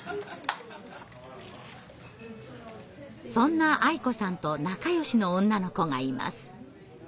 そんなあい子さんと仲よしの女の子がいます。